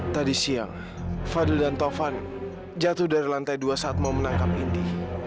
tadi siang fadil dan taufan jatuh dari lantai dua saat mau menangkap indi